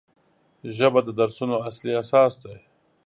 ژبه د درسونو اصلي اساس دی